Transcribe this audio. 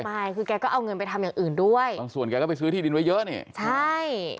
ไม่คือแกก็เอาเงินไปทำอย่างอื่นด้วยบางส่วนแกก็ไปซื้อที่ดินไว้เยอะนี่ใช่